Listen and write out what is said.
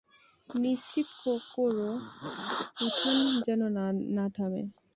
নিশ্চিত কোরো উত্থান যেন না থামে।